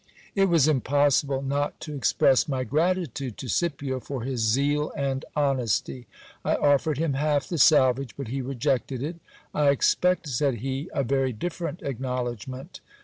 It was impossible not to express my gratitude to Scipio for his zeal and honesty. I offered him half the salvage, but he rejected it I expect, said he, a very different acknowledgment.